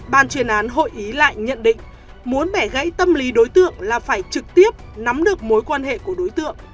ban chuyên án hội ý lại nhận định muốn bẻ gãy tâm lý đối tượng là phải trực tiếp nắm được mối quan hệ của đối tượng